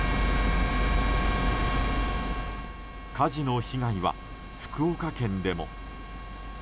火事の被害は福岡県でも。